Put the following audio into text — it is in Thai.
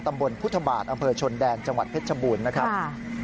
ตำบลพุทธบาทอำเภอชนแดนจังหวัดเพชรบูรณ์นะครับ